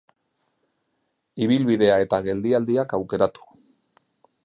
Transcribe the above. Ibilbidea eta geldialdiak aukeratu.